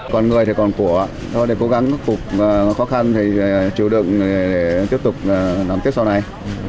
còn người thì còn của ạ thôi để cố gắng cấp cục khó khăn thì chịu đựng để tiếp tục làm tiếp sau này